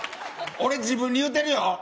俺、自分に言うてるよ。